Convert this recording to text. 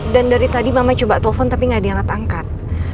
dan dari tadi mama coba telfon tapi gak dianat angkat